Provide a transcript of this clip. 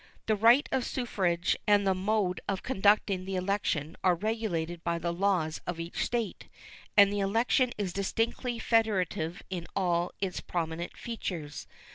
The right of suffrage and the mode of conducting the election are regulated by the laws of each State, and the election is distinctly federative in all its prominent features.